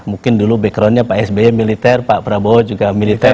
mungkin dulu backgroundnya pak sby militer pak prabowo juga militer